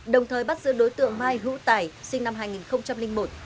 đồng thời bắt giữ đối tượng mai hữu tài sinh năm hai nghìn một